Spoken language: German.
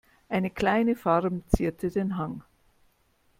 Eine kleine Farm zierte den Hang.